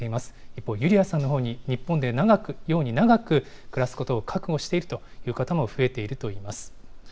一方、ユリヤさんのように日本で長く暮らすことを覚悟しているという方も増えているといいます。